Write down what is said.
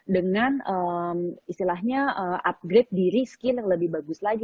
dengan istilahnya upgrade diri skin yang lebih bagus lagi